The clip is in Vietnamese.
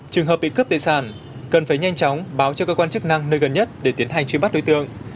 trường hợp bị cướp tài sản cần phải nhanh chóng báo cho cơ quan chức năng nơi gần nhất để tiến hành truy bắt đối tượng